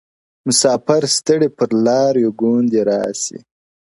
• مساپر ستړي پر لار یو ګوندي راسي -